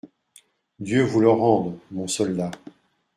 Dieu vous le rende, mon soldat.